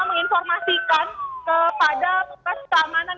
saya ingin informasikan kepada petas keamanan yang ada di kejaksaan agung